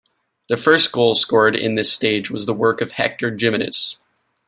The first goal scored in this stage was the work of Hector Gimenez.